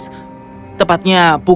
tiba tiba berterusan tanggung starving